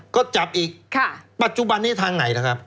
ก็จับอีกปัจจุบันนี้ทางไหนล่ะครับ